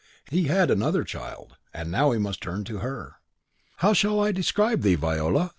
He had another child, and now we must turn to her. How shall I describe thee, Viola?